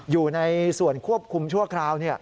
อยู่ในส่วนควบคุมชั่วคราว